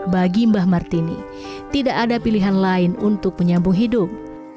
bagi mbah martini tidak ada pilihan lain untuk menyambung hidup